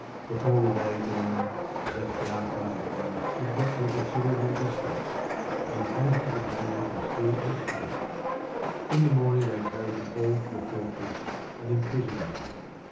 Before the day dawned, that dark hearted one had got to a con siderable distance, and his innocent companions were still asleep. In the mommg they carried them all to the fortress and imprisoned them.